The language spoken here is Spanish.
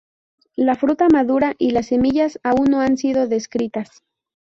La fruta madura y las semillas aún no han sido descritas.